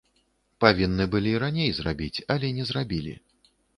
Павінны былі раней зрабіць, але не зрабілі.